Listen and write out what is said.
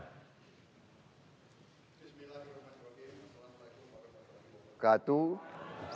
bismillahirrahmanirrahim assalamualaikum warahmatullahi wabarakatuh